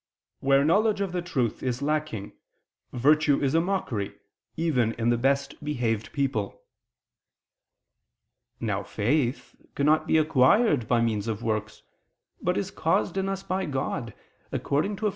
Where knowledge of the truth is lacking, virtue is a mockery even in the best behaved people." Now faith cannot be acquired by means of works, but is caused in us by God, according to Eph.